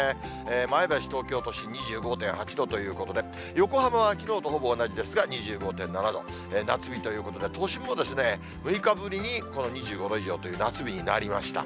前橋、東京都心２５．８度ということで、横浜はきのうとほぼ同じですが、２５．７度、夏日ということで、都心も６日ぶりに２５度以上という夏日になりました。